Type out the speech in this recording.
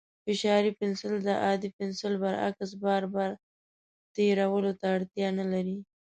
فشاري پنسل د عادي پنسل برعکس، بار بار تېرولو ته اړتیا نه لري.